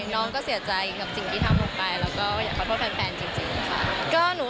น้องก็เสียใจอีกก็ความขอบใจ